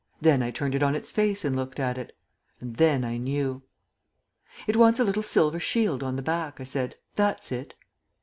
Then I turned it on its face and looked at it. And then I knew. "It wants a little silver shield on the back," I said. "That's it."